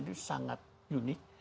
jadi itu sangat unik